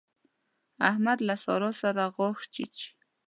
احمد له سارا سره غاښ چيچي.